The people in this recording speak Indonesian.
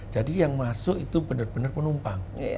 jadi yang masuk itu benar benar penumpang